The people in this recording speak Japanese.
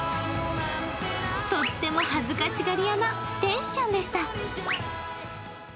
とっても恥ずかしがり屋な天使ちゃんでした。